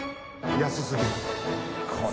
安すぎる。